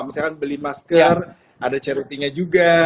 misalkan beli masker ada charity nya juga